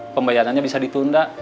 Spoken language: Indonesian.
pembayarannya bisa ditunda